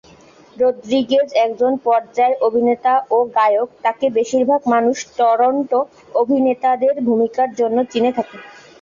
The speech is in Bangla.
রদ্রিগেজ একজন পর্যায় অভিনেতা ও গায়ক, তাকে বেশিরভাগ মানুষ টরন্টো অভিনেতাদের ভূমিকার জন্য চিনে থাকে।